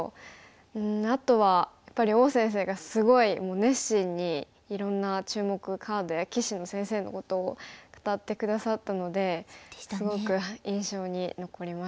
あとはやっぱり王先生がすごい熱心にいろんな注目カードや棋士の先生のことを語って下さったのですごく印象に残りました。